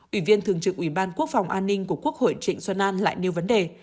ủy viên thường trực ủy ban quốc phòng an ninh của quốc hội trịnh xuân an lại nêu vấn đề